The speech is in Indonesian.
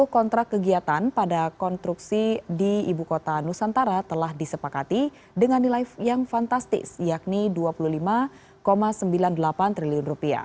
satu kontrak kegiatan pada konstruksi di ibu kota nusantara telah disepakati dengan nilai yang fantastis yakni rp dua puluh lima sembilan puluh delapan triliun